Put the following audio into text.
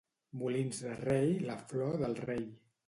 Molins de Rei, la flor del rei.